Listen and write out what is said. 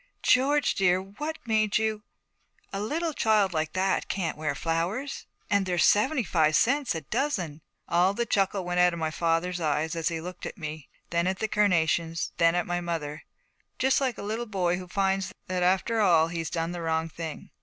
'George, dear, what made you? A little child like that can't wear flowers and they're seventy five cents a dozen!' All the chuckle went out of my father's eyes: he looked at me, then at the carnations, then at my mother, just like a little boy who finds that after all he's done the wrong thing.